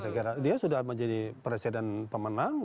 saya kira dia sudah menjadi presiden pemenang